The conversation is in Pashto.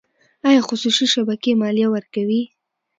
آیا خصوصي شبکې مالیه ورکوي؟